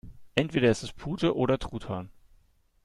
Entweder ist es Pute oder Truthahn.